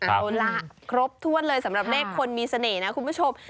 เอาล่ะครบถ้วนเลยสำหรับเลขคนมีเสน่ห์นะคุณผู้ชม